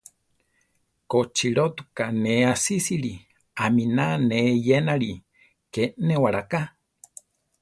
Kochilótuka ne asísili, aminá ne eyénali, ké néwaraká.